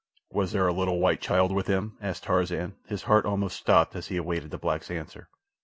"Was there a little white child with him?" asked Tarzan, his heart almost stopped as he awaited the black's answer.